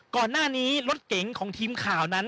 ก่อนหน้านี้รถเก๋งของทีมข่าวนั้น